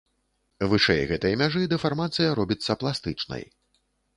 Вышэй гэтай мяжы дэфармацыя робіцца пластычнай.